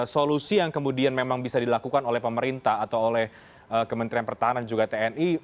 solusi yang kemudian memang bisa dilakukan oleh pemerintah atau oleh kementerian pertahanan juga tni